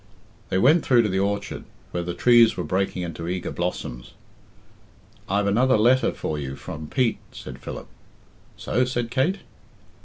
They went through to the orchard, where the trees were breaking into eager blossoms. "I've another letter for you from Pete," said Philip. "So?" said Kate.